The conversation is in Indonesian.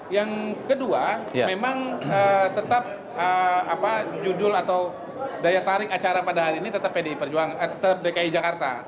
yang kedua memang tetap judul atau daya tarik acara pada hari ini tetap dki jakarta